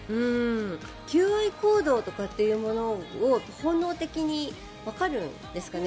求愛行動とかというものを本能的にわかるんですかね。